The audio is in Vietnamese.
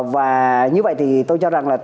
và như vậy thì tôi cho rằng là